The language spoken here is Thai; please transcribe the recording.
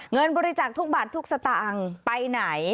เงินบริจาคทุกบาททุกสตางค์ไปไหน